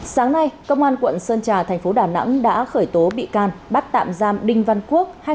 sáng nay công an quận sơn trà thành phố đà nẵng đã khởi tố bị can bắt tạm giam đinh văn quốc